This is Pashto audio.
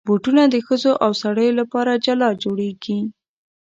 بوټونه د ښځو او سړیو لپاره جلا جوړېږي.